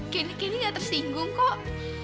candy gak tersinggung kok